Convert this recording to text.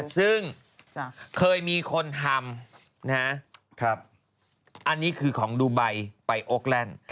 ซึ่งเคยมีคนทำอันนี้คือของดูไบไปโอคแลนด์